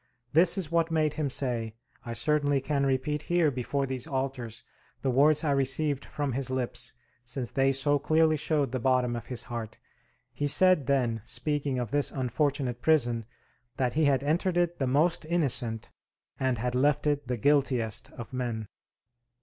This is what made him say (I certainly can repeat here, before these altars, the words I received from his lips, since they so clearly show the bottom of his heart) he said then, speaking of this unfortunate prison, that he had entered it the most innocent, and had left it the guiltiest of men."